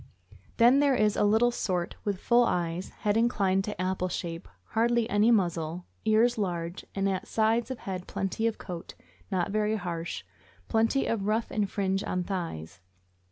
Then there is a little sort with full eyes, head inclined to apple shape, hardly any muzzle, ears large, and at sides of head plenty of coat, not very harsh, plenty of ruff and fringe on thighs.